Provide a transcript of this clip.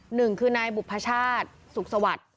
หนึ่งคือนายบุพชาติสุขสวัสดิ์